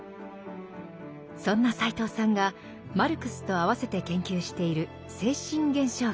そんな斎藤さんがマルクスとあわせて研究している「精神現象学」。